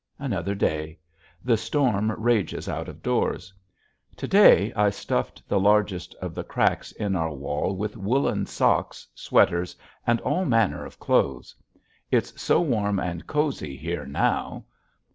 Another day. The storm rages out of doors. To day I stuffed the largest of the cracks in our wall with woolen socks, sweaters, and all manner of clothes. It's so warm and cozy here now!